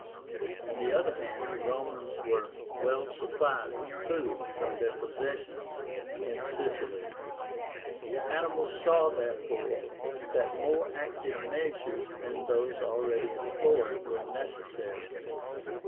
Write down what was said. On the other hand, the Romans were well supplied with food from their possessions in Sicily. Hannibal saw, therefore, that more active measures than those already employed were necessary.